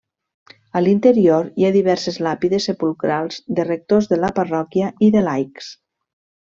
A l'interior hi ha diverses làpides sepulcrals de rectors de la parròquia i de laics.